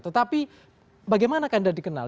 tetapi bagaimana akan dikenal